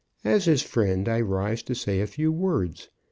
As his friend I rise to say a few words.